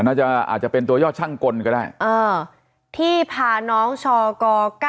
อาจจะอาจจะเป็นตัวยอดช่างกลก็ได้ที่พาน้องชก๙